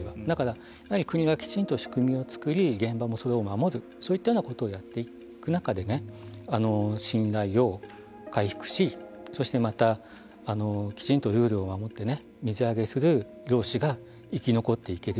だから、やはり国がきちんと仕組みを作り現場もそれを守るそういったようなことをやっていく中で信頼を回復しそしてまた、きちんとルールを守って